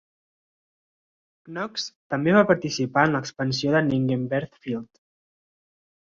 Knox també va participar en l'expansió de Lindbergh Field.